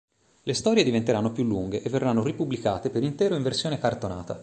Le storie diventeranno più lunghe e verranno ripubblicate per intero in versione cartonata.